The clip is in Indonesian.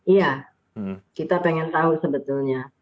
iya kita pengen tahu sebetulnya